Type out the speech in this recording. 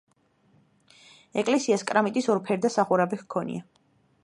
ეკლესიას კრამიტის ორფერდა სახურავი ჰქონია.